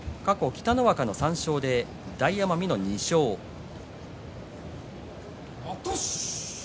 北の若の過去３勝大奄美の２勝です。